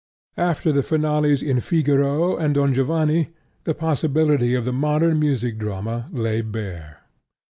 After the finales in Figaro and Don Giovanni, the possibility of the modern music drama lay bare.